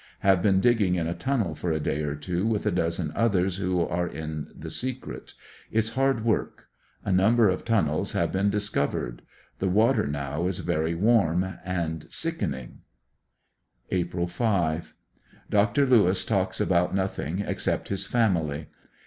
Have been digging in a tunnel for a day or two with a dozen others who are in the secret. It's hard work. A number of tunnels have been discovered. The water now is very warm and sickening, April 5. — Dr. Lewis talks about nothing except his family.